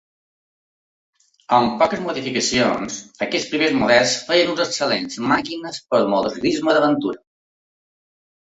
Amb poques modificacions, aquests primers models feien unes excel·lents màquines pel motociclisme d'aventura.